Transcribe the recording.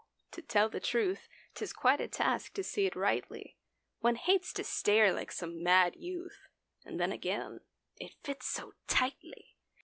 To tell the truth, 'Tis quite a task to see it rightly; One hates to stare like some mad youth; And then, again, it fits so tightly.